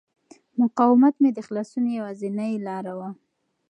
مقاومت مې د خلاصون یوازینۍ لاره وه.